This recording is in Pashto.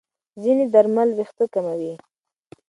ځینې درملو وېښتې کموي.